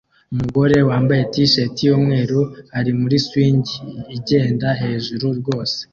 Umugore wambaye t-shirt yumweru ari muri swing igenda hejuru rwose